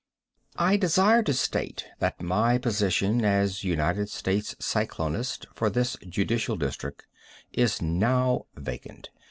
I desire to state that my position as United States Cyclonist for this Judicial District is now vacant.